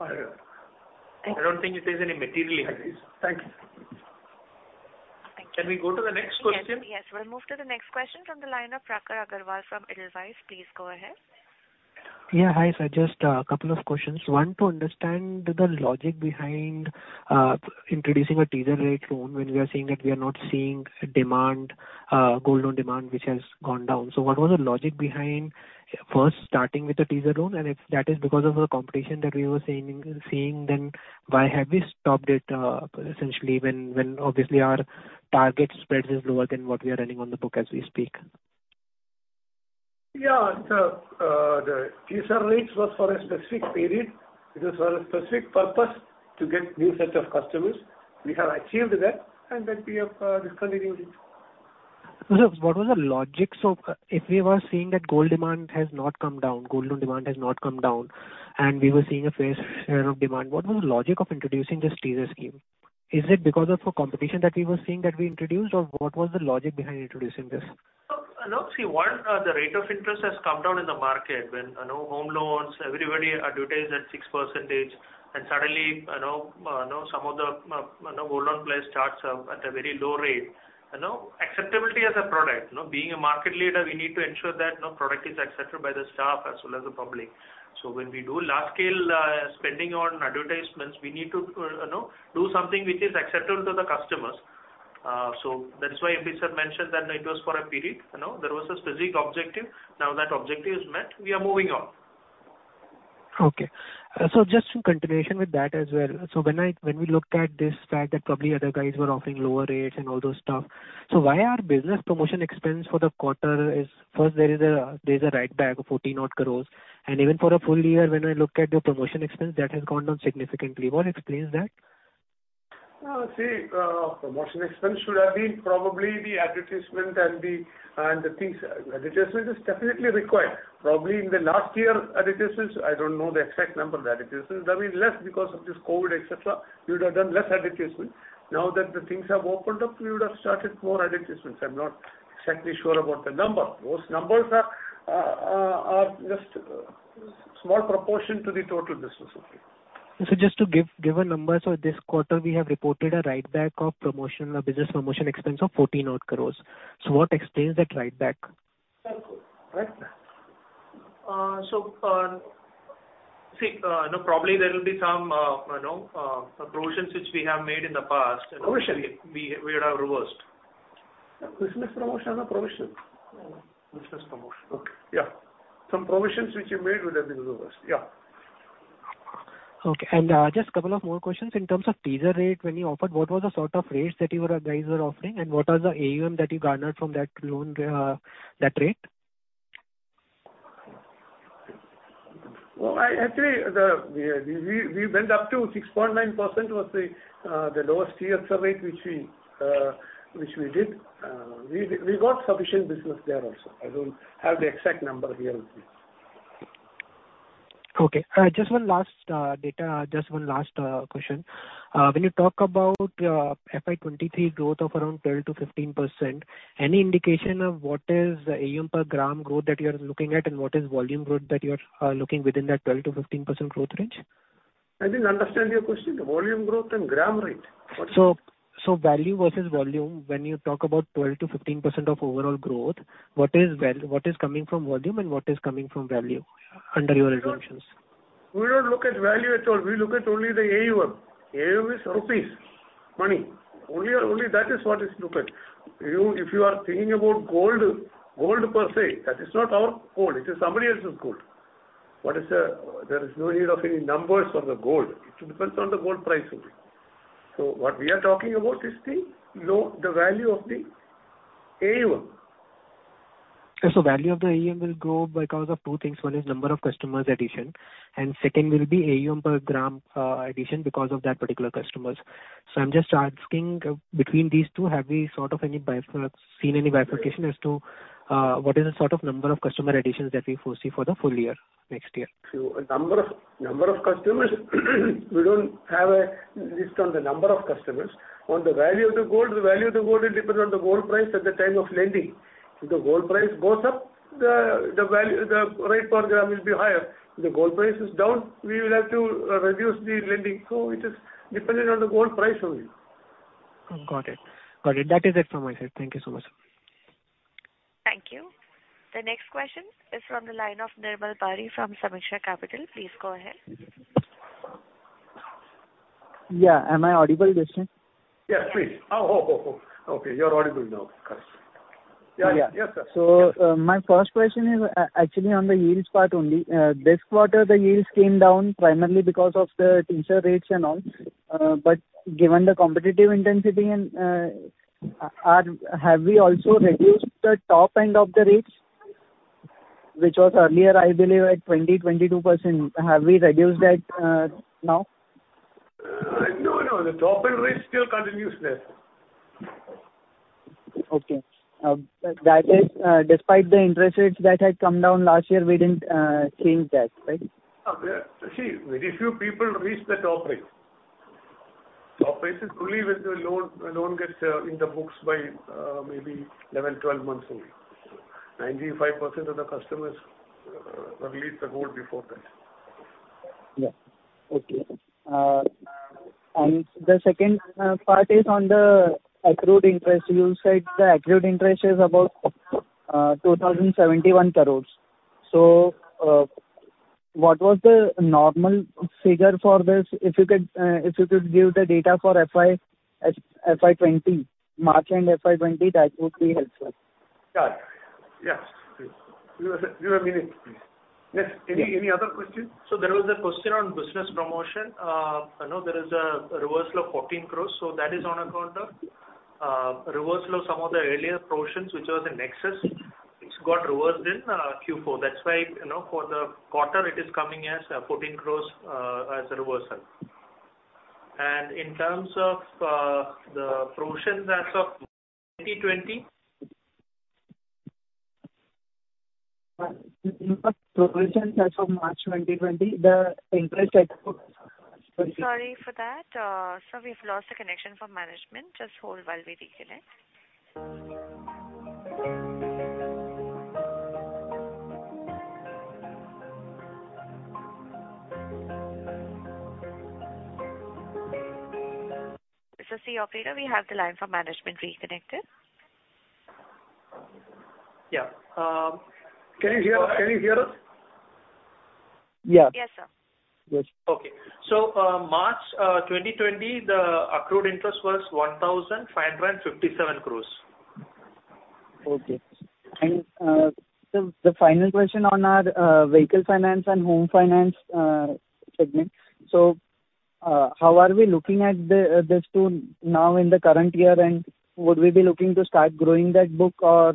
I don't think it is any material increase.
Thanks.
Thank you.
Can we go to the next question?
Yes. Yes. We'll move to the next question from the line of Prakhar Agrawal from Edelweiss. Please go ahead.
Yeah. Hi, sir. Just a couple of questions. One, to understand the logic behind introducing a teaser rate loan when we are saying that we are not seeing demand, gold loan demand which has gone down. What was the logic behind first starting with the teaser loan? If that is because of the competition that we were seeing, then why have we stopped it, essentially when obviously our target spreads is lower than what we are earning on the book as we speak?
The teaser rates was for a specific period. It was for a specific purpose to get new set of customers. We have achieved that, and then we have discontinued it.
What was the logic? If we were seeing that gold demand has not come down, gold loan demand has not come down, and we were seeing a fair share of demand, what was the logic of introducing this teaser scheme? Is it because of the competition that we were seeing that we introduced, or what was the logic behind introducing this?
No. See, one, the rate of interest has come down in the market when, you know, home loans, everybody advertise at 6% and suddenly, you know, some of the gold loan players starts up at a very low rate. You know, acceptability as a product. You know, being a market leader we need to ensure that, you know, product is accepted by the staff as well as the public. When we do large scale spending on advertisements, we need to, you know, do something which is acceptable to the customers. That is why MP sir mentioned that it was for a period. You know? There was a specific objective. Now that objective is met, we are moving on.
Okay. Just in continuation with that as well. When we looked at this fact that probably other guys were offering lower rates and all those stuff, why our business promotion expense for the quarter is first there is a write back of 14-odd crore and even for a full year when I look at your promotion expense that has gone down significantly. What explains that?
Promotion expense should have been probably the advertisement and the things. Advertisement is definitely required. Probably in the last year advertisements, I don't know the exact number of advertisements. I mean, less because of this COVID, et cetera. We would have done less advertisements. Now that the things have opened up, we would have started more advertisements. I'm not exactly sure about the number. Those numbers are just small proportion to the total business only.
Just to give a number. This quarter we have reported a write-back of provision or business provision expense of 14-odd crore. What explains that write-back?
Probably there will be some, you know, provisions which we have made in the past.
Provision?
We would have reversed.
Business promotion or provision?
Business promotion.
Okay.
Yeah. Some provisions which you made would have been reversed. Yeah.
Okay. Just couple of more questions. In terms of teaser rate when you offered, what was the sort of rates that you guys were offering and what was the AUM that you garnered from that loan, that rate?
Well, actually, we went up to 6.9%, which was the lowest teaser rate which we did. We got sufficient business there also. I don't have the exact number here with me.
Okay. Just one last question. When you talk about FY 2023 growth of around 12%-15%, any indication of what is AUM per gram growth that you are looking at and what is volume growth that you are looking within that 12%-15% growth range?
I didn't understand your question. Volume growth and gram rate. What is it?
Value versus volume. When you talk about 12%-15% of overall growth, what is coming from volume and what is coming from value under your assumptions?
We don't look at value at all. We look at only the AUM. AUM is rupees, money. Only that is what is looked at. You, if you are thinking about gold per se, that is not our gold. It is somebody else's gold. There is no need of any numbers on the gold. It depends on the gold price only. What we are talking about is the value of the AUM.
Value of the AUM will grow because of two things. One is number of customers addition and second will be AUM per gram addition because of that particular customers. I'm just asking between these two, have we sort of seen any bifurcation as to what is the sort of number of customer additions that we foresee for the full year next year?
Number of customers, we don't have a list on the number of customers. On the value of the gold, the value of the gold will depend on the gold price at the time of lending. If the gold price goes up, the rate per gram will be higher. If the gold price is down, we will have to reduce the lending. It is dependent on the gold price only.
Got it. That is it from my side. Thank you so much.
Thank you. The next question is from the line of Nirmal Bari from Sameeksha Capital. Please go ahead.
Yeah. Am I audible, Justin?
Yes, please. Okay, you are audible now. Correct.
Yeah.
Yes, sir.
My first question is actually on the yields part only. This quarter the yields came down primarily because of the teaser rates and all. Given the competitive intensity and, have we also reduced the top end of the rates, which was earlier I believe at 22%? Have we reduced that now?
No, no. The top-up rate still continues there.
Okay. That is, despite the interest rates that had come down last year, we didn't change that, right?
Yeah. See, very few people reach the top rate. Top rate is fully when the loan gets in the books by maybe 11, 12 months only. 95% of the customers release the gold before that.
The second part is on the accrued interest. You said the accrued interest is about 2,071 crore. What was the normal figure for this? If you could give the data for FY 2020, March end FY 2020, that would be helpful.
Sure. Yes, please. Give her a minute, please. Yes. Any other questions?
There was a question on business promotion. I know there is a reversal of 14 crore, so that is on account of reversal of some of the earlier provisions which was in excess, which got reversed in Q4. That's why, you know, for the quarter, it is coming as fourteen crores as a reversal. In terms of the provisions as of 2020-
No. Provisions as of March 2020, the interest.
Sorry for that. Sir, we've lost the connection from management. Just hold while we reconnect. This is the operator. We have the line from management reconnected.
Yeah.
Can you hear us? Can you hear us?
Yeah.
Yes, sir.
Yes.
Okay. March 2020, the accrued interest was 1,557 crores.
Okay. The final question on our vehicle finance and home finance segment. How are we looking at these two now in the current year and would we be looking to start growing that book or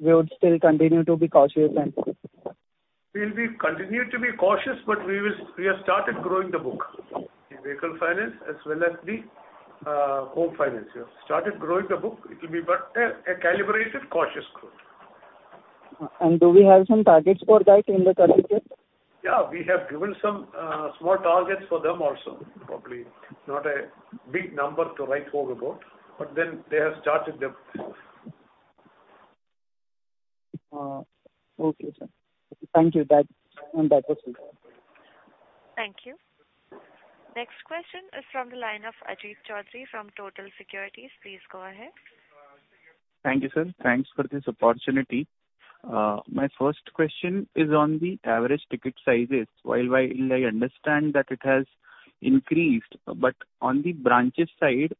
we would still continue to be cautious.
We'll be continued to be cautious, but we will. We have started growing the book in vehicle finance as well as the home finance. It will be but a calibrated cautious growth.
Do we have some targets for that in the current year?
Yeah. We have given some small targets for them also. Probably not a big number to write home about, but then they have started the
Okay, sir. Thank you. That was it.
Thank you. Next question is from the line of Ajit Chaudhuri from Tata Securities. Please go ahead.
Thank you, sir. Thanks for this opportunity. My first question is on the average ticket sizes. While I understand that it has increased, but on the branches side,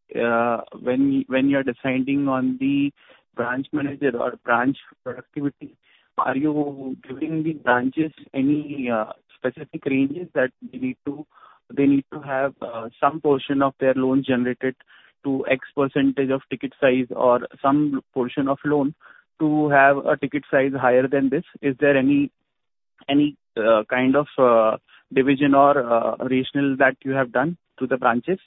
when you're deciding on the branch manager or branch productivity, are you giving the branches any specific ranges that they need to have some portion of their loan generated to X percentage of ticket size or some portion of loan to have a ticket size higher than this? Is there any kind of division or regional that you have done to the branches?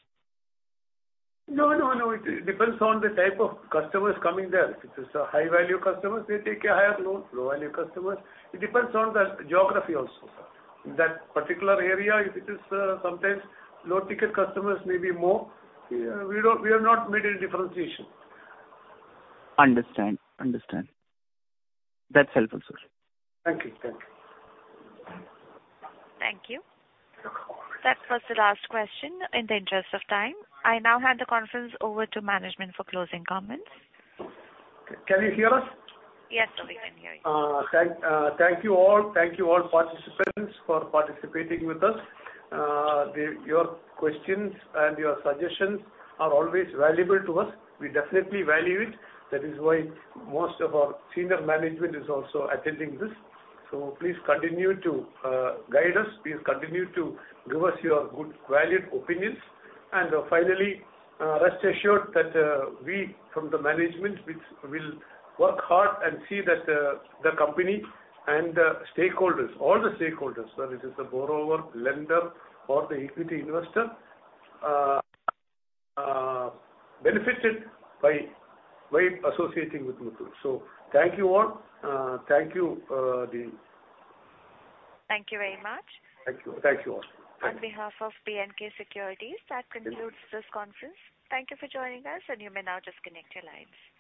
No, no. It depends on the type of customers coming there. If it is a high-value customers, they take a higher loan. Low-value customers. It depends on the geography also. In that particular area, if it is, sometimes low-ticket customers may be more. We have not made any differentiation.
Understand. That's helpful, sir.
Thank you. Thank you.
Thank you. That was the last question in the interest of time. I now hand the conference over to management for closing comments.
Can you hear us?
Yes, sir. We can hear you.
Thank you all. Thank you all participants for participating with us. Your questions and your suggestions are always valuable to us. We definitely value it. That is why most of our senior management is also attending this. Please continue to guide us. Please continue to give us your good valued opinions. Finally, rest assured that we from the management will work hard and see that the company and the stakeholders, all the stakeholders, whether it is the borrower, lender or the equity investor, benefited by associating with Muthoot. Thank you all. Thank you.
Thank you very much.
Thank you. Thank you all.
On behalf of Edelweiss Securities, that concludes this conference. Thank you for joining us, and you may now disconnect your lines.